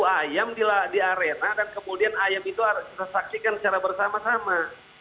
kami mengadu ayam di arena dan kemudian ayam itu disaksikan secara bersama sama